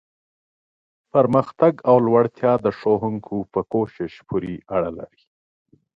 پرمختګ او لوړتیا د ښوونکو په کوښښ پورې اړه لري.